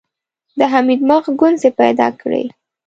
د حميد مخ ګونځې پيدا کړې.